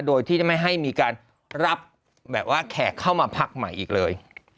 โดยที่จะไม่ให้มีการรับแบบว่าแขกเข้ามาพักใหม่อีกเลย